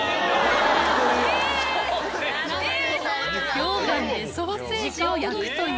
溶岩でソーセージを焼くという。